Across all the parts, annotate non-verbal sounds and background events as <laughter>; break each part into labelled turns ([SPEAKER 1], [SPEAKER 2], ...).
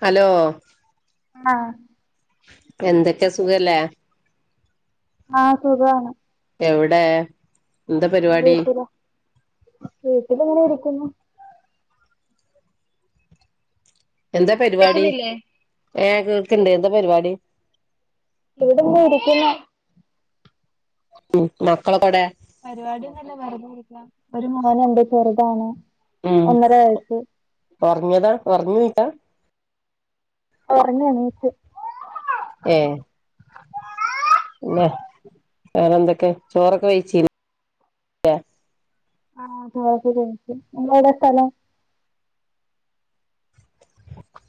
[SPEAKER 1] Hello...
[SPEAKER 2] ആഹ്
[SPEAKER 1] എന്തൊക്കെ സുഖല്ലേ?
[SPEAKER 2] ആഹ് സുഖാണ്.
[SPEAKER 1] എവിടെ? എന്താ
[SPEAKER 2] ആഹാ
[SPEAKER 1] പരിപാടി
[SPEAKER 2] വീട്ടില, വീട്ടില് ഇങ്ങനെ ഇരിക്കുന്നു.
[SPEAKER 1] എന്താ പരിപാടി ഏഹ് കേൾക്കണ്ട് എന്താ പരിപാടി?
[SPEAKER 2] ഇവിടെന്ന് ഇരിക്കുന്നു.
[SPEAKER 1] ഉം മക്കളൊക്കെ എവിടെ?
[SPEAKER 2] പരിപാടി ഒന്നും ഇല്ല വെറുതെ ഇരിക്ക ഒരു മോനുണ്ട് ചെറുതാണ്.
[SPEAKER 1] ഉം.
[SPEAKER 2] ഒന്നര വയസ്സ്
[SPEAKER 1] <unintelligible>
[SPEAKER 2] ഉറങ്ങി എണീറ്റു.
[SPEAKER 1] ഹേ... പിന്നെ വേറെ എന്തൊക്കെ? ചോറൊക്കെ കഴിച്ചില്ലേ?
[SPEAKER 2] ആഹ് ചോറൊക്കെ കഴിച്ചു ഇത് എവിടെ സ്ഥലം?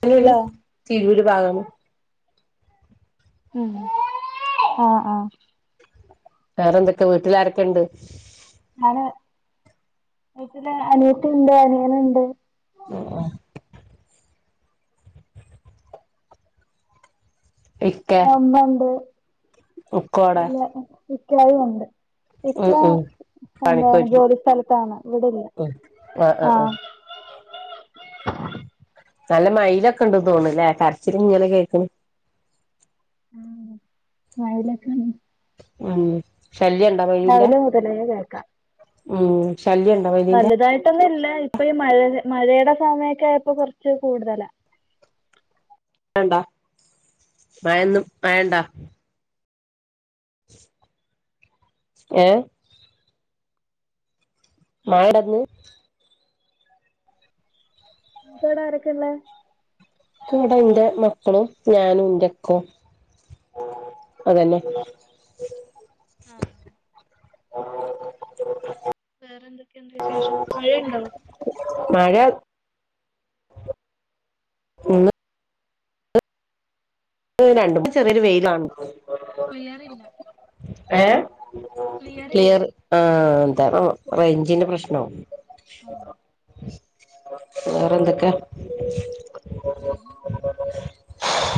[SPEAKER 1] അങ്ങനെണ്
[SPEAKER 2] ലോ
[SPEAKER 1] തിരൂര് ഭാഗം
[SPEAKER 2] ഉം ആ ആ
[SPEAKER 1] വേറെന്തൊക്കെ വീട്ടിലാരൊക്കെ ണ്ട്
[SPEAKER 2] ആ അനിയത്തിണ്ട് അനിയന് ണ്ട്
[SPEAKER 1] ആ ഇക്കെ
[SPEAKER 2] പിന്നെ മ്മണ്ട്
[SPEAKER 1] ഇക്കോടെ
[SPEAKER 2] അല്ല ഇക്കായും ഉണ്ട് ഇക്ക
[SPEAKER 1] ഉം ഉം
[SPEAKER 2] എന്താണ്
[SPEAKER 1] പണിക്കോയിട്ടുണ്ട്
[SPEAKER 2] ജോലി സ്ഥലത്താണ് ഇവടെ ല്ല
[SPEAKER 1] ഉം ആ ആ ആ
[SPEAKER 2] <inaudible>
[SPEAKER 1] നല്ല മയിലൊക്കെ ണ്ട് തോന്ന്ണ് ല്ലേ കരച്ചില് ങ്ങനെ കേക്ക്‌ണ്
[SPEAKER 2] <unintelligible>
[SPEAKER 1] ആ
[SPEAKER 2] രാവിലെ മുതലേ കേക്കാ
[SPEAKER 1] ഉം ശല്യണ്ടോ മയിലിന്റെ
[SPEAKER 2] വലുതായിട്ടൊന്നുല്ല ഇപ്പ ഈ മഴ മഴേടെ സമയൊക്കെ ആയപ്പോ കൊർച്ച് കൂടുതലാ
[SPEAKER 1] ണ്ട മയന്നും മയണ്ടോ ഏ മയെന്ന്
[SPEAKER 2] <unintelligible> ആരൊക്കെള്ളെ
[SPEAKER 1] വ്ടെ ന്റെ മക്കളും ഞാനും ന്റെ <unintelligible> അതെന്നെ
[SPEAKER 2] ആ വേറെ ന്തൊക്കെയുണ്ട് വിശേഷം മഴണ്ടോ
[SPEAKER 1] മഴ <inaudible> രണ്ടും ചെറിയൊരു വെയിലാണ്
[SPEAKER 2] പെയ്യാറില്ല
[SPEAKER 1] ഏഹ് ക്ലിയർ ആ എന്താ റേഞ്ചിന്റെ പ്രശ്ന
[SPEAKER 2] ആഹ്
[SPEAKER 1] വേറെ ന്തൊക്കെ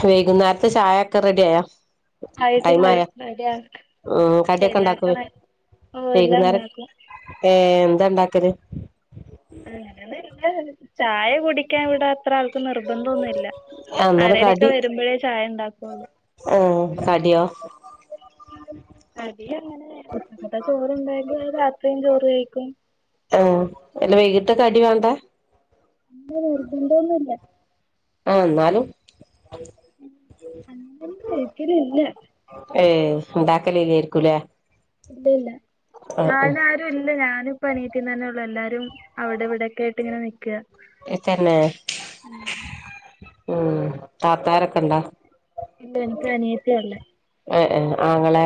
[SPEAKER 1] വൈകുന്നേരത്തെ ചായൊക്കെ റെഡിയായോ
[SPEAKER 2] ആയിട്ടില്ല
[SPEAKER 1] ടൈമായോ
[SPEAKER 2] റെഡി ആക്ക്
[SPEAKER 1] ഉം കടിയൊക്കെ ണ്ടാക്കോ
[SPEAKER 2] ശരിയാക്കണേ ഓഹ് എല്ലാം
[SPEAKER 1] വൈകുന്നേരം
[SPEAKER 2] ഉണ്ടാക്കും
[SPEAKER 1] ഏ എന്താ ണ്ടാക്കല്
[SPEAKER 2] അങ്ങനൊന്നുല്ല ചായ കുടിക്കാൻ ഇവിടെ അത്ര ആൾ നിർബന്ധോന്നുല്ല
[SPEAKER 1] ആഹ് അന്നേരം
[SPEAKER 2] ആരെങ്കിലൊക്കെ വരുമ്പളെ ചായ ണ്ടാക്കുള്ളൂ
[SPEAKER 1] ഓ കടിയോ
[SPEAKER 2] കടി അങ്ങനെ ഉച്ചക്കത്തെ ചോറുണ്ടെങ്കിൽ അത് രാത്രിയും ചോറ് കഴിക്കും
[SPEAKER 1] ആ അല്ല വൈകീട്ട് കടി വാണ്ട
[SPEAKER 2] അങ്ങ നിർബന്ധം ഒന്നുംല്ല
[SPEAKER 1] ആ ന്നാലും
[SPEAKER 2] അങ്ങനൊന്നും കഴിക്കലില്ല
[SPEAKER 1] ഏ ണ്ടാക്കലില്ലേര്ക്കൂലെ
[SPEAKER 2] ഇല്ലല്ല ആ അയ്നാരും ല്ല ഞാനിപ്പ എണീറ്റ്ന്നെന്നെ ഒള്ളൂ എല്ലാരും അവിടെ ഇവിടെക്കായിട്ട് ഇങ്ങനെ നിക്ക
[SPEAKER 1] ഉം ത്തന്നെ ഉം താത്താരൊക്കെണ്ടോ
[SPEAKER 2] എനിക്ക് അനിയത്യാ ള്ളെ
[SPEAKER 1] <unintelligible> ആങ്ങളെ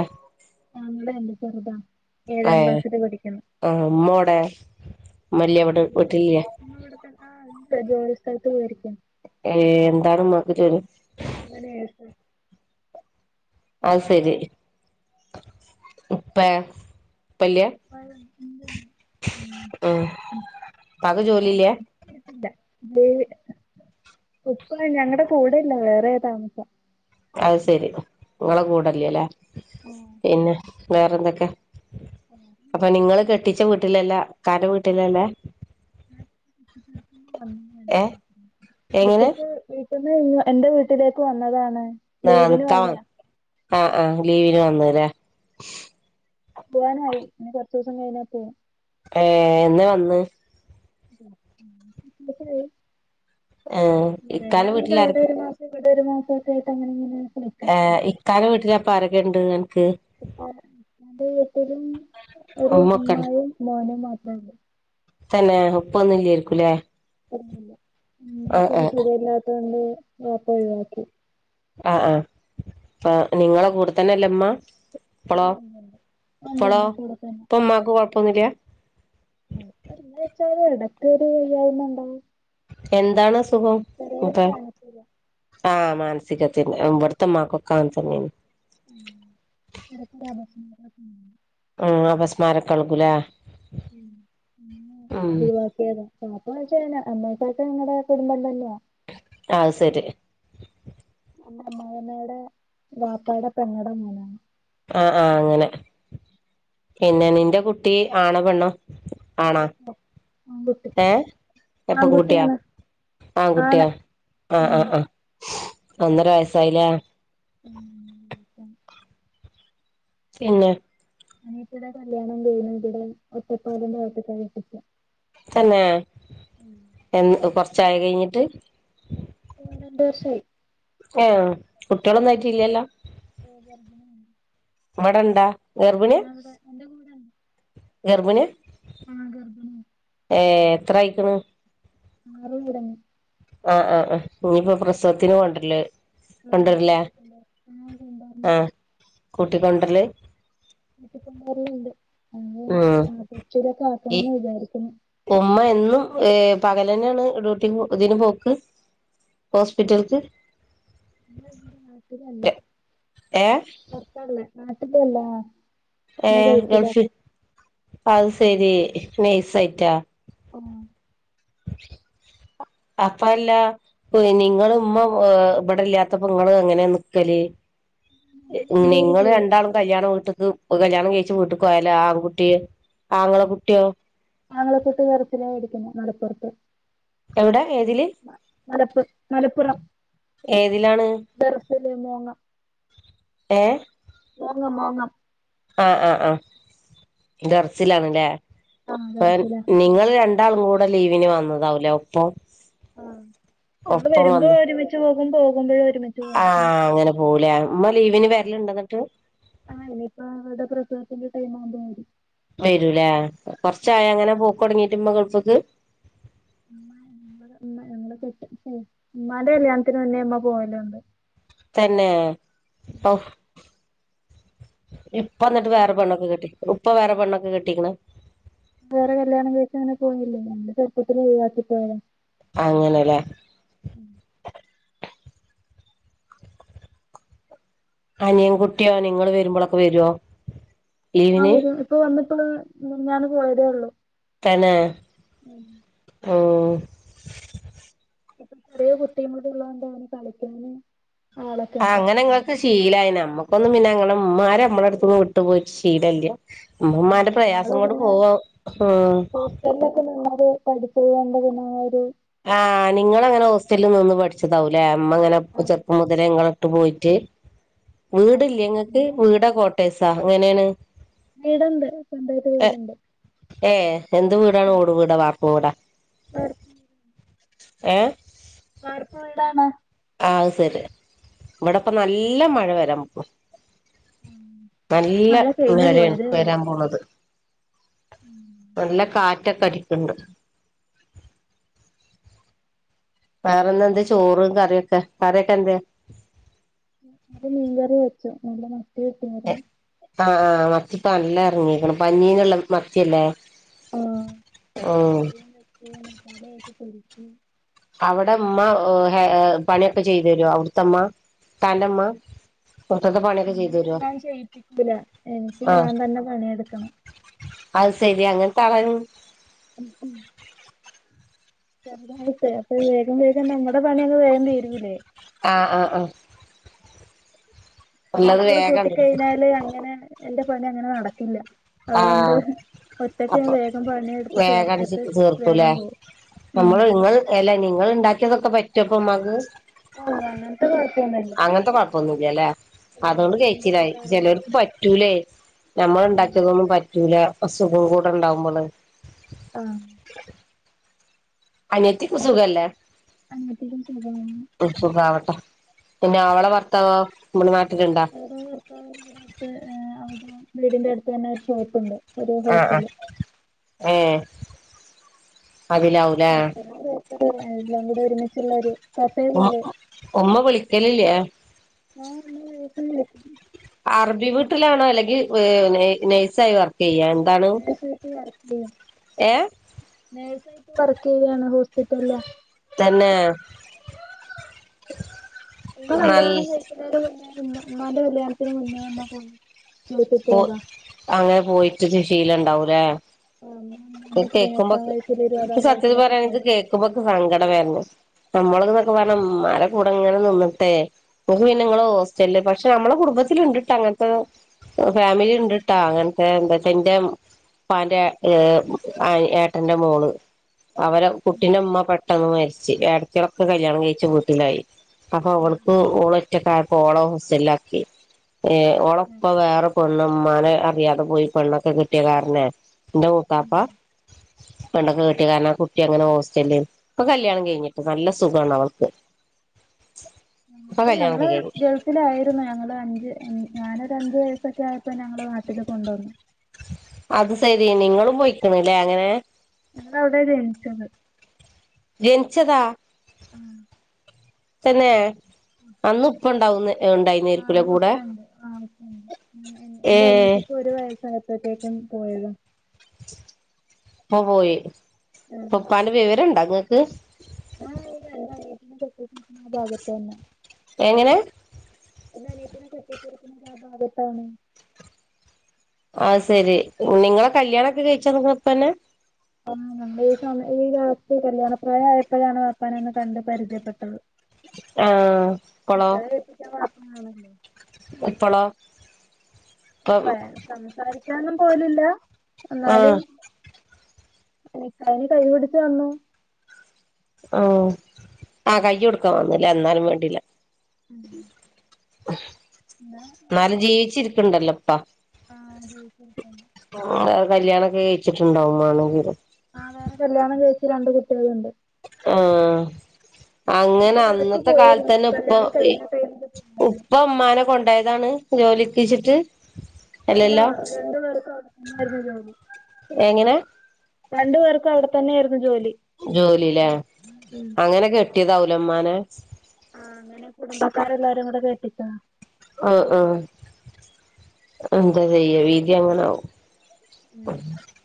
[SPEAKER 2] ആങ്ങളെണ്ട് ചെറുതാ ഏഴാം
[SPEAKER 1] എ
[SPEAKER 2] ക്ലാസ്സിൽ പഠിക്കുന്നു
[SPEAKER 1] മ്മ വെടെ
[SPEAKER 2] മ്മ ഇവിടെ തെന്ന ഉണ്ട് ജോലി സ്ഥലത്ത് പോയിരിക്ക
[SPEAKER 1] ഏ എന്താണ് മ്മാക്ക് ജോലി
[SPEAKER 2] <inaudible>
[SPEAKER 1] ഔ ശരി ഇപ്പെ
[SPEAKER 2] അപ്പ ഉ
[SPEAKER 1] ഉം
[SPEAKER 2] <unintelligible>
[SPEAKER 1] ഉപ്പാക്ക് ജോലില്ല്യ
[SPEAKER 2] ത് ഉപ്പ ഞങ്ങളടെ കൂടെല്ല വേറെ താമസം
[SPEAKER 1] അത് ശരി നിങ്ങളെ കൂടല്ലേല്ലേ പിന്നെ വേറെന്തൊക്കെ
[SPEAKER 2] ആ
[SPEAKER 1] ച്ച വീട്ടിലല്ല ഇക്കന്റെ വീട്ടില ല്ലേ
[SPEAKER 2] ർക്ക വ പ്രത്
[SPEAKER 1] ഏ എങ്ങനെ
[SPEAKER 2] <unintelligible> ഇവിടുന്ന് ന്റെ വീട്ടിലേക്ക് വന്നതാണ്
[SPEAKER 1] ആ
[SPEAKER 2] ലീവിന്
[SPEAKER 1] നിക്ക
[SPEAKER 2] വന്നതാ
[SPEAKER 1] ആഹ ആഹ് ലീവിന് വന്നല്ലേ
[SPEAKER 2] പോവാനായി ഇനി കൊറച്ചുസം കഴിഞ്ഞപോവും
[SPEAKER 1] ഏ എന്ന വന്ന് ഏ
[SPEAKER 2] നേരെ
[SPEAKER 1] ഇക്കാന്റെ
[SPEAKER 2] ആണെങ്കിൽ
[SPEAKER 1] വീട്ടിലാരൊക്കെ
[SPEAKER 2] അവിടെ ഒരു മാസ ഒരു മാസൊക്കെ ആയിട്ട് അങ്ങനെ ഇങ്ങനെ നിൽക്കും
[SPEAKER 1] ഏ് ഇക്കാന്റെ വീട്ടിലപരൊക്കെ ഇണ്ട്
[SPEAKER 2] ഇപ്പന്റെ വീട്ടിലും ഒരു
[SPEAKER 1] ഉമ്മൊക്കെണ്ട്
[SPEAKER 2] ഉമായും മോനും മാത്രം മം
[SPEAKER 1] തന്നെ ഉപ്പൊന്നും ഇല്ലായിരിക്കുംല്ലേ
[SPEAKER 2] നിക്കൊരു സുഖം ഇല്ലാത്ത കൊണ്ട് ബാപ്പ ഒഴിവാക്കി
[SPEAKER 1] ആ ആ അ നിങ്ങളെ കൂടുതന്നെ അല്ലേമ്മ ഇപ്പളോ ഇപ്പളോ
[SPEAKER 2] ഉണ്ടുണ്ട് കൂടെ
[SPEAKER 1] ഇപ്പൊ ഉമ്മാക്ക് കൊഴപ്പൊന്നുല്ല്യ
[SPEAKER 2] കൊയപ്പ ചോയ്ച്ചാൽ എടക് ഒരു വയ്യായ്മണ്ടാവും
[SPEAKER 1] എന്താണ് അസുഖം ക്കെ
[SPEAKER 2] മാനസിക
[SPEAKER 1] ആഹ മാനസികതന് ഇവിടത്തെ മാക്കൊക്ക അങ്ങനെതന്നെ ആണ്
[SPEAKER 2] ഉ എട കുട ബസ <unintelligible>
[SPEAKER 1] ഉം അപാസ്മരം ഒക്കെ ഇളകും ല്ലേ
[SPEAKER 2] ഒഴിവാക്കിയത ബാപ്പ വച്ച അമ്മക്കൊക്കെ ങ്ങളടെ കുടുംബം തന്നെയ
[SPEAKER 1] ആ സരി
[SPEAKER 2] ഇന്റെ അമ്മായമ്മേടെ വാപ്പാട പെങ്ങട മോനാണ്
[SPEAKER 1] ആ ആഹ അങ്ങനെ പിന്നെ നിന്റെ കുട്ടി ആണേ പെണ്ണോ ആണാ
[SPEAKER 2] ആൺകുട്ടിയാ ആൺകുട്ടി
[SPEAKER 1] ഏ എപ്പൊ കൂട്ടിയാ
[SPEAKER 2] ആൺകുട്ടിയാണ്
[SPEAKER 1] ആൺ
[SPEAKER 2] ആണ്
[SPEAKER 1] കുട്ടിയാ ആഹ ആഹ
[SPEAKER 2] ഉം
[SPEAKER 1] ആഹ ഒന്നര വയസായില്ലേ
[SPEAKER 2] <unintelligible>
[SPEAKER 1] പിന്നെ
[SPEAKER 2] അനിയത്തീടെ കല്യാണം കഴിഞ്ഞു ഇവിടെ ഒറ്റപ്പാലം ഭാഗതിക്ക കഴിച്ചേ
[SPEAKER 1] തന്നെ ഏ
[SPEAKER 2] രണ്ട് വർഷമായി
[SPEAKER 1] എഹ് കുട്ടികളൊന്നും ആയിട്ടില്ലല്ലോ
[SPEAKER 2] ഗർഭിണിയാണ്
[SPEAKER 1] ഇവിടെണ്ടാ
[SPEAKER 2] ആ ഇവിടെ എന്റെ കൂടെണ്ട്
[SPEAKER 1] ഗർഭണിയ
[SPEAKER 2] ആഹ ഗർഭണിയ
[SPEAKER 1] ഏ എത്രയിക്കണ്
[SPEAKER 2] ആറു തുടങ്ങി
[SPEAKER 1] ആ ആ ആ ഇനിയിപ്പോ പ്രസവത്തിന് കോണ്ട്രല്
[SPEAKER 2] ആഹ എനിക്ക്ട്ടണ്ട ആഹ കൊണ്ടർന്ന
[SPEAKER 1] കൂട്ടികൊണ്ടുരല്
[SPEAKER 2] കൂട്ടി കോണ്ട്രല് ഇണ്ട് അത്
[SPEAKER 1] ഉം
[SPEAKER 2] ആ കൊച്ചലൊക്കെ
[SPEAKER 1] ഈ
[SPEAKER 2] ആക്കണംന്ന് വിചാരിക്കുന്നു <unintelligible>
[SPEAKER 1] പകലന്നാണ് ഡ്യൂട്ടിക്ക് തിന്പോക്ക് ഹോസ്പിറ്റൽക്ക്
[SPEAKER 2] ഞാന് ന്റെ നാട്ടിലല്ല
[SPEAKER 1] ഏഹ്
[SPEAKER 2] പൊറത്താള്ളത് നാട്ടിലല്ല
[SPEAKER 1] ഏ..
[SPEAKER 2] നമ്മൾ ഗൾഫിലാ
[SPEAKER 1] ഗൾഫിൽ അയ് ശെരി നേഴ്സായിട്ടോ..?
[SPEAKER 2] ആ...
[SPEAKER 1] <inaudible> അപ്പഅല്ലാ പൊയ്ണ് നിങ്ങളുമ്മ ഇവടില്ലാതപ്പോ ഇങ്ങളെങ്ങാനാ നിക്കല്
[SPEAKER 2] എന്റെ
[SPEAKER 1] നിങ്ങള്
[SPEAKER 2] വീട്ടിലേ
[SPEAKER 1] രണ്ടാളും കല്യാണം വീട്ട് ഒ പ്പകല്യാണംകയ്ച്ച വീട്ട്ക് പോയാല് ആ ആൺകുട്ടിയോ ആങ്ങളകുട്ടിയോ
[SPEAKER 2] ആങ്ങളകുട്ടി ദറസ് ലാ പഠിക്കുന്ന മലപ്പുറത്‌
[SPEAKER 1] എവിടെ ഏതില്
[SPEAKER 2] മലപ്പു മലപ്പുറം
[SPEAKER 1] ഏതിലാണ്
[SPEAKER 2] ദറസ് ല് മോങ്ങം
[SPEAKER 1] എ
[SPEAKER 2] മോങ്ങം മോങ്ങം
[SPEAKER 1] അ അ അ ദറ്സ് ലാണ്ലെ
[SPEAKER 2] ആ
[SPEAKER 1] പ്പ
[SPEAKER 2] ദർസിലാ
[SPEAKER 1] നിങ്ങള് രണ്ടാ ണ്ടാളുംകൂടെ ലീവിന് വന്നതാവുലേഒപ്പം.
[SPEAKER 2] അ. ഞങ്ങള് വരുമ്പോ ഒരുമിച്ച്പോവും പോവു
[SPEAKER 1] ആ... ങ്ങനെ പോവൂലെ ഉമ്മ ലീവിന് വരല്ണ്ടൊന്ന്ട്ട്
[SPEAKER 2] ആ.. ഇനിപ്പോ അവരുടെ പ്രസവത്തിന്റെ ടൈംമാവുമ്പ വരും
[SPEAKER 1] വരുലേ കൊറച്ചായ അങ്ങനെ പോക്കൊടങ്ങീട്ട് ഉമ്മ ഗൾഫ്ക്
[SPEAKER 2] ഉം ഉമ്മാ ഞങ്ങളെ ഉമ്മാന്റെ കല്യാണത്തിന് മുന്നേ... പോവലൊടങ്ങീക്ണ്
[SPEAKER 1] തന്നേ.. ഒ ഇപ്പന്നിട്ട്
[SPEAKER 2] നോക്കണ്ടേ
[SPEAKER 1] വേറെപെണ്ണോക്കെ കെട്ടീക്ക് ഉപ്പ വേറെ പെണ്ണൊക്കെ കെട്ടീക്ക്ണോ...?
[SPEAKER 2] വേറെ കല്യാണകഴിക്കാനങ്ങനെ പോയില്ലേ ഞങ്ങളെ ചെറുപ്പത്തിലേ ഒഴിവാക്കി പോയതാ...
[SPEAKER 1] അങ്ങനെലെ അനിയൻ കുട്ടിയോ നിങ്ങള് വരുമ്പളൊക്കെ വരോ..?
[SPEAKER 2] ആ വരും ഇപ്പവന്ന്പ്പോ മിഞ്ഞാന്ന് പോയതേഉള്ളു.
[SPEAKER 1] തനെ...
[SPEAKER 2] ഉംമ്
[SPEAKER 1] ഓ....
[SPEAKER 2] പപ്പൊ ചെറിയ കുട്ടിമ്മളള്ളണ്ടെ കളിക്കാന് <inaudible> ഉണ്ട്
[SPEAKER 1] അങ്ങനെങ്ങൾക്ക് ശീലായി നമ്മക്കൊന്നുംപിന്നങ്ങനഉമ്മാര് മ്മളെട് ത്ത്ന്ന് വിട്ട് പോയി ശീലല്ല.
[SPEAKER 2] ഉം
[SPEAKER 1] ഇമ്മമ്മാന്റെ പ്രയാസം
[SPEAKER 2] ഞങ്ങള്
[SPEAKER 1] കൊണ്ട്
[SPEAKER 2] പിന്നെ
[SPEAKER 1] പോവാ ഉം
[SPEAKER 2] ഹോസ്റ്റലിലൊക്കെ നിന്നൊരു പഠിപ്പോയണ്ടകമാരൊ
[SPEAKER 1] ആ.. നിങ്ങളങ്ങനെ ഹോസ്റ്റൽനിന്ന് പഠിച്ചതാവൂലേഉമ്മങ്ങനെ ചെറുപ്പം മുതലേഇങ്ങളെ വിട്ട് പോയിട്ട് വീട്ല്ല്യേങ്ങക്ക് വീടാ കോട്ടേസാ എങ്ങനാണ്
[SPEAKER 2] വീട്ണ്ട് സ്വന്തായിട്ട് വീട്ണ്ട്
[SPEAKER 1] ഏ എന്ത് വീടാണ് ഓട് വീട വാർപ്പും വീടാ..
[SPEAKER 2] വാർ
[SPEAKER 1] എ
[SPEAKER 2] വാർപ്പ് വീടാണ്.
[SPEAKER 1] അശെരി ഇവിടപ്പ നല്ല മഴ വരാംപോവാ.. നല്ല
[SPEAKER 2] മഴ കഴിഞ്ഞു
[SPEAKER 1] നെരാണ്
[SPEAKER 2] പോയതേ ഉള്ളൂ
[SPEAKER 1] വരാൻ പോണത് നല്ല കാറ്റ്.. റ്റക്കടിക്ണ്ട് വേറെന്നന്താ ചോറും കറിയൊക്ക കരയോക്ക്ന്താന്ന്...?
[SPEAKER 2] കറി മീകറി വെച്ചു നല്ല മത്തികിട്ടിരുന്നു
[SPEAKER 1] അ ആ മത്തിപ്പൊ നല്ലെറങ്ങീക്ക്ണ് പഞ്ഞീന് ള്ള മത്തിയല്ലേ?
[SPEAKER 2] അ
[SPEAKER 1] ഉം
[SPEAKER 2] ഒക്കെകറീം വെച്ച് തലേറ്റ് പൊരിചു.
[SPEAKER 1] അവ്ടെഉമ്മ ഒ ഹെ എ പണി ഓക ചെയ്തേരൊ അവുട്ത്തെ ഉമ്മ? ത്താന്റുമ്മാ....
[SPEAKER 2] അങ്ങനെ ഞാൻ ചെയ്യിപ്പിക്കൂലാ. എനിക്ക്
[SPEAKER 1] ആഹ്
[SPEAKER 2] ഞാൻ തന്നെ പണിയെടുക്കണം
[SPEAKER 1] അത് സേരി അങ്ങനെത്താളാണ്
[SPEAKER 2] ഉ ഉം ചെറുതായിട്ട് അപ്പൊ വേഗം വേഗം നമ്മടെ പണി അങ്ങ് വേഗം തീരുവല്ലേ
[SPEAKER 1] ആ ആ ആ
[SPEAKER 2] ഒരാളെ കൂട്ടി കഴിഞ്ഞാല് അങ്ങനെ എൻ്റെ പണി അങ്ങനെ നടക്കില്ല അത് കൊണ്ട്
[SPEAKER 1] ആഹ്
[SPEAKER 2] ഒറ്റക്ക് ഞാൻ
[SPEAKER 1] അപ്പൊ
[SPEAKER 2] വേഗം പണിയെട്ത്ത് എടുത്ത്
[SPEAKER 1] വേഗം അടിച്ച്
[SPEAKER 2] തീർത്തിട്ട് വേഗം
[SPEAKER 1] തീർക്കൂലേ
[SPEAKER 2] പോവും ഉം
[SPEAKER 1] നമ്മള് നിങ്ങള് അല്ല നിങ്ങള് ഉണ്ടാക്കിയതൊക്കെ പറ്റുവോ ഉമക്ക്
[SPEAKER 2] <unintelligible>
[SPEAKER 1] അങ്ങനത്തെ കൊഴപ്പൊന്നു ഇല്ലല്ലോ അത്
[SPEAKER 2] ഇല്ലല്ല
[SPEAKER 1] കൊണ്ട്
[SPEAKER 2] എന്ത്
[SPEAKER 1] കഴിച്ചില്ലായി
[SPEAKER 2] കൊടുത്താലും
[SPEAKER 1] ചെലർക്ക്
[SPEAKER 2] കഴിക്കും
[SPEAKER 1] പറ്റൂലേ ഞമ്മള്
[SPEAKER 2] ആഹ്
[SPEAKER 1] ഒണ്ടാക്കിയതൊന്നും പറ്റൂല്ലാ അസുഖം കൂടെ ഇണ്ടാവുമ്പോള്
[SPEAKER 2] ആ
[SPEAKER 1] അനിയത്തിക്ക് സുഖല്ലേ
[SPEAKER 2] അനിയത്തിക്കും സുഖണ്
[SPEAKER 1] സുഖാവട്ടെ പിന്നെ അവളെ ഭർത്താവെ നമ്മ്ടെ നാട്ടില്ണ്ടാ
[SPEAKER 2] അവരുടെ ഭർത്താവ് ഇവിടെ അടുത്ത് അവരുടെ <unintelligible>
[SPEAKER 1] ആ ആ
[SPEAKER 2] ഹോട്ടല്
[SPEAKER 1] യെ അതില് അവുല്ലോ
[SPEAKER 2] ഹോട്ടലും <unintelligible> എല്ലാം കൂടെ ഒര്മിച്ചോള്ളാ ഒരു കഫേ പോലെ
[SPEAKER 1] ഉമ്മ വിളിക്കലില്ലേ
[SPEAKER 2] ആ <unintelligible>
[SPEAKER 1] വീ വീട്ടിലാണോ അല്ലെങ്കി നൈ നൈസായി വർ ചെയ്യാ എന്താണു
[SPEAKER 2] നേഴ്സായിട്ട് വർക്ക് ചെയ്യും
[SPEAKER 1] യെ
[SPEAKER 2] <unintelligible> വർക്ക് ചെയ്യായാണ് ഹോസ്പിറ്റല്ലാ
[SPEAKER 1] തന്നെ
[SPEAKER 2] <unintelligible>
[SPEAKER 1] നല്ല
[SPEAKER 2] കല്യാണം കഴിക്കന്നേന് മുന്നേ ഉം <unintelligible> കല്യാണത്തിന് മുന്നേ ഉമ്മ പോയി ഗൾഫിൽ
[SPEAKER 1] പോ
[SPEAKER 2] പോയതാ
[SPEAKER 1] അങ്ങനെ പോയിട്ട് ഇപ്പം ശീലം ഇണ്ടാവൂല്ലേ
[SPEAKER 2] <unintelligible>
[SPEAKER 1] ഇ കേൾക്കമ്പോ
[SPEAKER 2] പതിനെട്ടാം വയസ്സില്
[SPEAKER 1] ഈ
[SPEAKER 2] ഇരുപതാം
[SPEAKER 1] സത്യാത്തി
[SPEAKER 2] വയസ്സിലൊക്കെ
[SPEAKER 1] പറയാണ ഇത്
[SPEAKER 2] പോയതാ
[SPEAKER 1] കേൾക്ക്മ്പോക്കെ എനക്ക് സങ്കടം വെര്ന്ന് നമ്മളന്നൊക്കെ പറഞ്ഞാ ഉമ്മാൻ്റെ കൂ ഇങ്ങനെ നിന്നിട്ടെ <unintelligible> പിന്നെ നിങ്ങള് ഹോസ്റ്റല് പശേ നമ്മളെ കുടുംബത്തി ഇണ്ടിട്ട് അങ്ങനത്തെ ഫാമിലി
[SPEAKER 2] ഉം,
[SPEAKER 1] ഉണ്ടട്ടാ അങ്ങ എന്റെ അച്ഛന്റെ മോൻ്റെ യെ ഏട്ടന്റെ മോള് അവരെ കുട്ടിന്റെ ഉമ്മ പെട്ടെന്ന് മരിച്ച് ഈ അട്ത്ത് ഇടക്ക് കല്യാണം കഴിച്ച് ബിട്ടുണ്ടായി അപ്പൊ
[SPEAKER 2] ഉം,
[SPEAKER 1] അവൾക്ക് ഓള് ഒറ്റാക്ക്യാപ്പോ ഓളേ ഹോസല്ലാക്കി യെ ഒ
[SPEAKER 2] ഉം,
[SPEAKER 1] ഉപ്പാ വേറെ പെണ്ണും ഉമ്മാനെ അറിയാതെ പോയി പെണ്ണൊക്കെ കെട്ടിയകാരണെ ൻ്റെ മൂത്താപ്പാ
[SPEAKER 2] ഉം.
[SPEAKER 1] പെണ്ണാക്കെ കെട്ടി കാരണം ആ കുട്ടിയെ അങ്ങനെ ഹോസ്റ്റല്ം ഇപ്പം കല്യാണം കഴിഞ്ഞിട്ട് നല്ല സുഖാണ് അവൾക്ക് ഇപ്പൊ
[SPEAKER 2] ഞങ്ങ ഞങ്ങള്
[SPEAKER 1] കല്യാണൊക്കെ കഴിഞ്ഞു
[SPEAKER 2] ഗൾഫിലാര്ന്നു ഞങ്ങള് അഞ്ച് ഉം ഞാനൊര് അഞ്ച് വയസ്സൊക്കെ ആയപ്പോ ഞങ്ങള് നാട്ടില് കൊണ്ട് വന്നു
[SPEAKER 1] അത് സേരി നിങ്ങളും പോയിക്കണല്ലേ അങ്ങനെ
[SPEAKER 2] <unintelligible> അവടെയാ ജെനിച്ചത്
[SPEAKER 1] ജെനിച്ചതാ
[SPEAKER 2] ഉം
[SPEAKER 1] തന്നെ അന്ന് ഉപ്പാ ഒണ്ടാവുന്ന ഒണ്ടായിന്
[SPEAKER 2] ആ അന്ന് ഉപ്പോണ്ട് ആ ഉപ്പേണ്ട് എന്ന്
[SPEAKER 1] ഏ
[SPEAKER 2] എൻ്റെ അനിയത്തിക്ക് ഒര് വയസായപ്പോഴത്തേക്കും <unintelligible>
[SPEAKER 1] ഉപ്പാ പോയി ഉപ്പാൻ്റെ വിവരോണ്ട് ഇങ്ങക്ക്
[SPEAKER 2] <unintelligible> തന്നെ
[SPEAKER 1] എങ്ങനെ?
[SPEAKER 2] എൻ്റെ അനിയത്തീനെ കെട്ടിച്ചിരിക്കുന്നത് ആ ഭാഗത്താണ്.
[SPEAKER 1] അത് ശരി നിങ്ങളെ കല്യാണൊക്കെ കഴിച്ചന്ന്ക്ക്ണ് പ്പന്നെ?
[SPEAKER 2] <unintelligible> കല്ല്യാണപ്രായയപ്പഴാണ് വാപ്പാനൊന്ന് കണ്ട്‌ പരിജയപ്പെട്ടത്.
[SPEAKER 1] ആ പ്പളോ?
[SPEAKER 2] ആണല്ലോ.
[SPEAKER 1] ഇപ്പളോ? ഇപ്പം
[SPEAKER 2] <unintelligible> സംസാരിക്കാനും പോകലില്ല. എന്നാലും
[SPEAKER 1] ആഹ്
[SPEAKER 2] നിക്കാഹിന് കൈ പിടിച്ച് വന്നു
[SPEAKER 1] ആ ആ കയ് കൊടുക്കാൻ വന്നില്ലേ ന്നാലും വേണ്ടില്ല
[SPEAKER 2] ഉം. എന്നാ
[SPEAKER 1] ന്നാലും
[SPEAKER 2] ആയിക്കോട്ടെ
[SPEAKER 1] ജീവിച്ചിരിക്കണ്ടല്ലോ പ്പ.
[SPEAKER 2] ആ ജീവിച്ചിരിക്കുന്നു.
[SPEAKER 1] <unintelligible> കല്യാണൊക്കെ കയച്ചിട്ടുണ്ടാവും വാണെങ്കില്.
[SPEAKER 2] ആ വേറെ കല്യാണം കയിച്ച് രണ്ട് കുട്ടികള് ണ്ട്.
[SPEAKER 1] ആ അങ്ങനെ
[SPEAKER 2] ഞങ്ങളവിടെ ഇടക്ക്
[SPEAKER 1] അന്നത്തെ കാലത്ത്
[SPEAKER 2] പോയിരുന്നു
[SPEAKER 1] തന്നെ പ്പം
[SPEAKER 2] കല്യാണം കഴിഞ്ഞ ടൈമില്
[SPEAKER 1] ഉപ്പ മ്മാനെ കൊണ്ടയതാണ് <unintelligible>
[SPEAKER 2] അ ല്ല രണ്ടു പേർക്കും <unintelligible>
[SPEAKER 1] എങ്ങനെ
[SPEAKER 2] <inaudible> രണ്ടു പേർക്കും അവിടെത്തന്നെ
[SPEAKER 1] ജോലിലെ
[SPEAKER 2] ഉം
[SPEAKER 1] അങ്ങനെ കെട്ടിയതാവുല്ലേ മ്മാനെ?
[SPEAKER 2] ആ അങ്ങനെ കുടുംബക്കാരല്ലാരും കൂടെ കെട്ടിച്ചതാ.
[SPEAKER 1] ആ ആ എന്താ ചെയ്യ? വിധി അങ്ങനാവും. <unintelligible>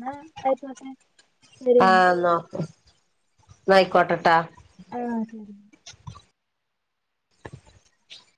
[SPEAKER 2] ന്നാ അയിക്കോട്ടെ
[SPEAKER 1] ആന്നോ ന്നായിക്കോട്ടെട്ടോ.
[SPEAKER 2] ആ ശരി